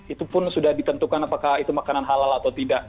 itu pun sudah ditentukan apakah itu makanan halal atau tidak